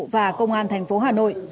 và công an thành phố hà nội